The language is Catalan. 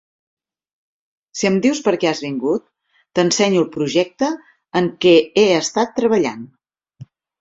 Si em dius perquè has vingut, t'ensenyo el projecte en què he estat treballant.